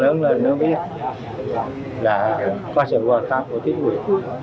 lớn lên nó biết là có sự quan sát của thiết quyền